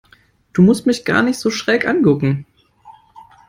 Du musst mich gar nicht so schräg angucken.